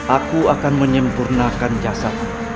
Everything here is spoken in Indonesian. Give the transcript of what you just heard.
aku akan menyempurnakan jasadmu